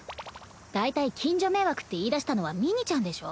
だいたい近所迷惑って言いだしたのはみにちゃんでしょ。